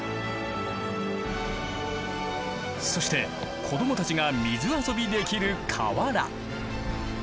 そして子どもたちが水遊びできる河原。